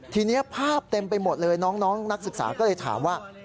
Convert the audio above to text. ทีนี้ภาพเต็มไปหมดเลยน้องนักศึกษาก็เลยถามว่า